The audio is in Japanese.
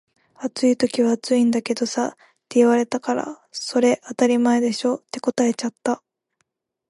「暑い時は暑いんだけどさ」って言われたから「それ当たり前でしょ」って答えちゃった